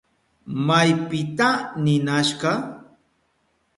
¿Maypita ninasha?